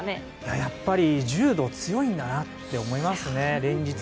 やっぱり柔道強いんだなって思いますね。